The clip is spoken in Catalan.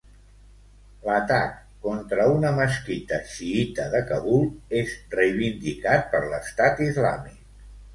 L'atac contra una mesquita xiïta de Kabul és reivindicat per l'Estat Islàmic.